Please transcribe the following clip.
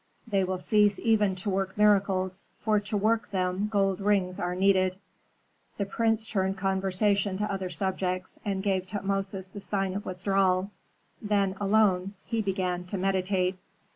They will cease even to work miracles, for to work them gold rings are needed." The prince turned conversation to other subjects and gave Tutmosis the sign of withdrawal. When alone, he began to meditate.